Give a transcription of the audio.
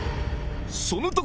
その時！